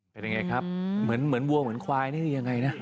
เป็นยังไงครับเหมือนวัวเหมือนควายนี่ยังไงนะ